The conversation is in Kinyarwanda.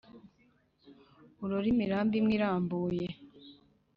urore imirambi imwe irambuye